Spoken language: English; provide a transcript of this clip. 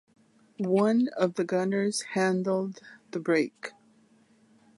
One of the gunners handled the brake.